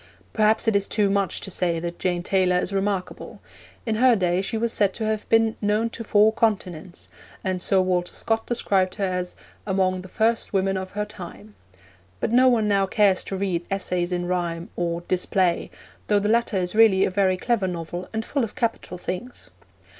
Perhaps it is too much to say that Jane Taylor is remarkable. In her day she was said to have been 'known to four continents,' and Sir Walter Scott described her as 'among the first women of her time'; but no one now cares to read Essays in Rhyme, or Display, though the latter is really a very clever novel and full of capital things.